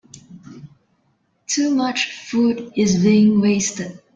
Too much food is being wasted.